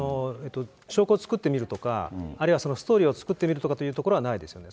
証拠作ってみるとか、あるいはストーリーを作ってみるとかっていうところはないですね。